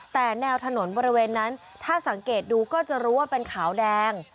แต่แนวถนนบริเวณนั้นถ้าสังเกตดูก็จะรู้ว่าเป็นขาวแดง